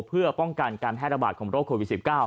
เพื่อป้องกันการแพร่ระบาดของโรคโควิด๑๙